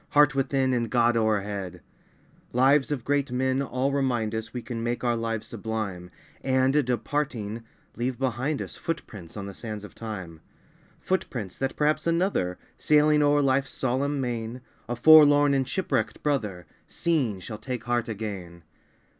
Heart within, and God o'erhead ! A PSALM OF LIFE. Lives of great men all remind us We can make our lives sublime, And, departing, leave behind us Footsteps on the sands of time ; Footsteps, that perhaps another, Sailing o'er life's solemn main, A forlorn and shipwrecked brother, Seeing, shall take heart again.